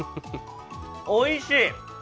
おいしい！